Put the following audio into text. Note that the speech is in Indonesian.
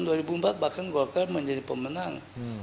tahun dua ribu empat bahkan golkar menjadi pemenang